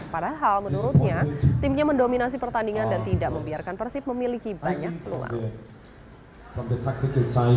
padahal menurutnya timnya mendominasi pertandingan dan tidak membiarkan persib memiliki banyak peluang